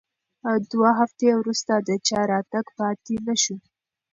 دوه هفتې وروسته د چا راتګ پاتې نه شو.